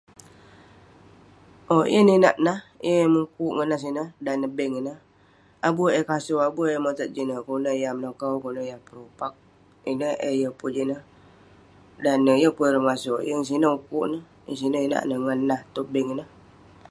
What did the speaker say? Owk, yeng ninak nah, yeng eh mukuk ngan nah sineh, dan neh bank ineh. Abu eh kaso, abu eh motat jineh kuk nouk yah menokau, kuk nouk yah perupak, ineh eh yeng pun jineh. Dan neh yeng pun ireh mengaso, yeng sineh ukuk neh. Yeng sineh inak neh ngan nah tong bank ineh.